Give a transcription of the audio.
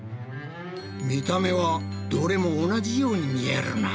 見た目はどれも同じように見えるな。